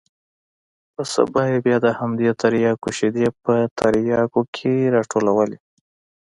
پر سبا يې بيا د همدې ترياکو شېدې په ترياكيو کښې راټولولې.